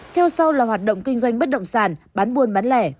theo sau là hoạt động kinh doanh bất động sản bán buôn bán lẻ